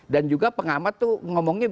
dan juga pengamat tuh ngomongnya